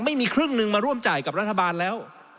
ไม่มีครึ่งนึงมาร่วมจ่ายกับรัฐบาลแล้ว